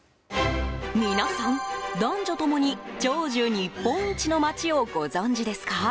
皆さん、男女共に長寿日本一の街をご存じですか？